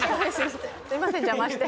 すいません邪魔して。